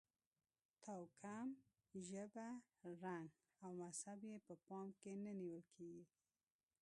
توکم، ژبه، رنګ او مذهب یې په پام کې نه نیول کېږي.